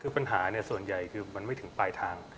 คือปัญหาส่วนใหญ่คือมันไม่ถึงปลายทาง